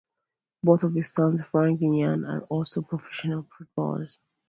Both of his sons, Franck and Yann, are also professional footballers.